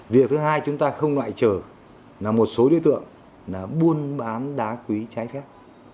việc thứ hai chúng ta không loại trở là một số đối tượng là buôn bán đá quý trái phép